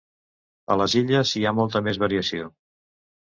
A les Illes, hi ha molta més variació.